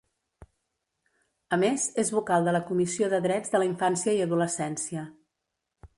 A més, és vocal de la Comissió de Drets de la Infància i Adolescència.